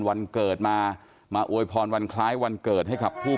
วันเกิดมามาอวยพรวันคล้ายวันเกิดให้กับผู้